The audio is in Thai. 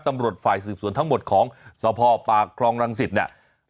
ตำรวจฝ่ายสืบสวนทั้งหมดของสภปากคลองรังสิตเนี่ย